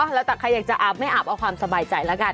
แล้วแต่ใครอยากจะอาบไม่อาบเอาความสบายใจแล้วกัน